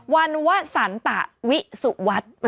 วันวะสันตะวิสุวัตร